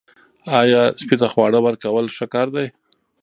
آیا سپي ته خواړه ورکول ښه کار دی؟